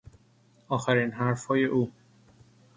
آخرین حرفهای او